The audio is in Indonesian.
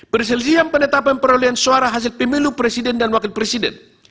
perselisian penetapan perolehan suara hasil pemilu presiden dan wakil presiden